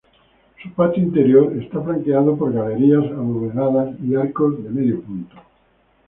Su patio interior está flanqueado por galerías abovedadas y arcos de medio punto.